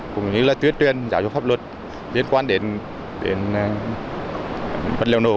cũng như là tuyên truyền giáo dục pháp luật liên quan đến vật liệu nổ